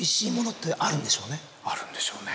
あるんでしょうね。